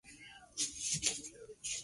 Él es el comandante de campo.